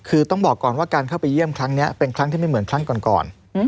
คือต้องบอกก่อนว่าเท่านั้นเป็นครั้งที่ไม่เหมือนครั้งก่อนก่อน